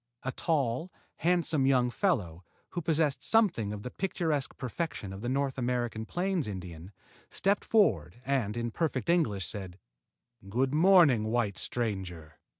A tall, handsome young fellow who possessed something of the picturesque perfection of the North American plains' Indian stepped forward and, in perfect English, said: "Good morning, white stranger.